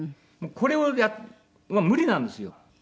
これを無理なんですよ。